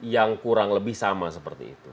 yang kurang lebih sama seperti itu